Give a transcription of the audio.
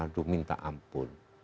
aduh minta ampun